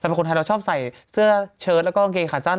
เป็นคนไทยเราชอบใส่เสื้อเชิดแล้วก็กางเกงขาสั้น